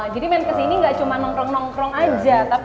jadi men kesini gak cuma nongkrong nongkrong aja tapi